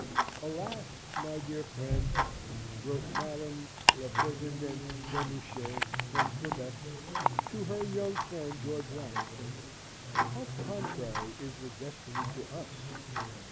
"Alas! my dear friend!" wrote Madame la Presidente de Mouchy, from Quebec, to her young friend George Warrington. "How contrary is the destiny to us!